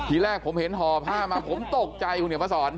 ทีแรกผมเห็นห่อผ้ามาผมตกใจคุณเหนียวมาสอน